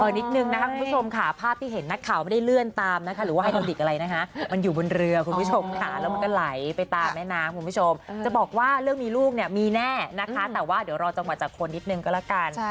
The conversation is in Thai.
นิดนึงนะคะคุณผู้ชมค่ะภาพที่เห็นนักข่าวไม่ได้เลื่อนตามนะคะหรือว่าไฮโดดิกอะไรนะคะมันอยู่บนเรือคุณผู้ชมค่ะแล้วมันก็ไหลไปตามแม่น้ำคุณผู้ชมจะบอกว่าเรื่องมีลูกเนี่ยมีแน่นะคะแต่ว่าเดี๋ยวรอจังหวะจากคนนิดนึงก็แล้วกัน